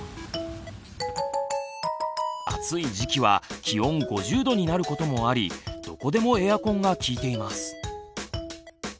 暑い時期は気温５０℃になることもありどこでもエアコンが効いています。